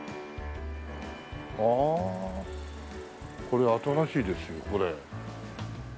これ新しいですよこれ。